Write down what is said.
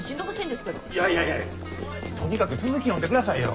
いやいやいやいやとにかく続き読んでくださいよ。